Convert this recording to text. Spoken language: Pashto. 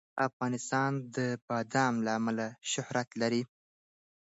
افغانستان د بادام له امله شهرت لري.